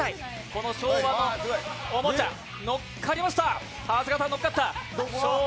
この昭和のおもちゃ、長谷川さん、乗っかりました。